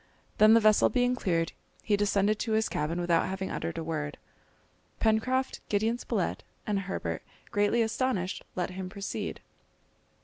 Then the vessel being clear, he descended to his cabin without having uttered a word. Pencroft, Gideon Spilett, and Herbert, greatly astonished, let him proceed.